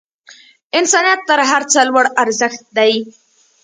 انسانیت تر هر څه لوړ ارزښت دی.